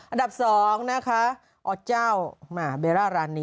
อันดับ๒นะคะอเจ้าแหมเบร่าร้านนี้